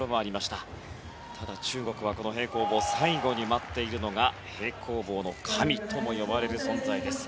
ただ、中国はこの平行棒最後に待っているのが平行棒の神とも呼ばれる存在です。